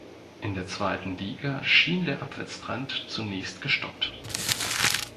In der zweiten Liga schien der Abwärtstrend zunächst gestoppt.